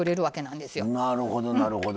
なるほどなるほど。